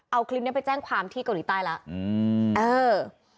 เอาคลิปนี้ไปแจ้งความที่เกาหลีใต้แล้วอืมเออ